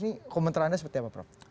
ini komentarnya seperti apa prof